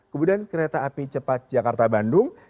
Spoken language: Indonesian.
kemudian kereta api cepat jakarta bandung